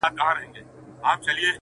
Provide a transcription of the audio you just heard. • ګلکده به ستا تر پښو لاندي بیدیا سي..